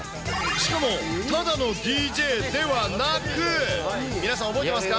しかもただのＤＪではなく、皆さん、覚えてますか。